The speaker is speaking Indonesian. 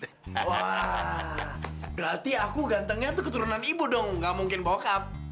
wah berarti aku gantengnya tuh keturunan ibu dong gak mungkin bokap